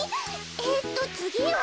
えっとつぎは。